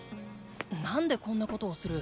なんでこんなことをする？